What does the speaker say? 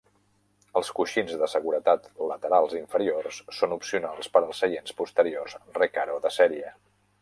Els coixins de seguretat laterals inferiors són opcionals per als seients posteriors Recaro de sèrie.